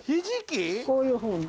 こういうふうに。